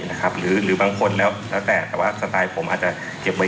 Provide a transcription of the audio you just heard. หรือบางคนแล้วแล้วแต่แต่ว่าสไตล์ผมอาจจะเก็บไว้